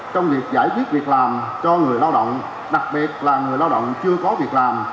trong việc giải quyết việc làm cho người lao động đặc biệt là người lao động chưa có việc làm